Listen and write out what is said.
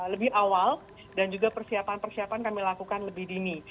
lebih awal dan juga persiapan persiapan kami lakukan lebih dini